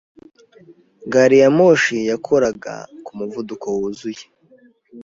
Gari ya moshi yakoraga ku muvuduko wuzuye.